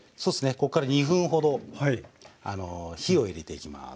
こっから２分ほど火を入れていきます。